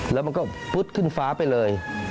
แล้วมันก็ฟึ๊ดขึ้นฟ้าไปเลย